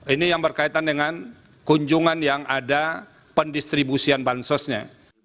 ini yang berkaitan dengan kunjungan yang ada pendistribusian bansosnya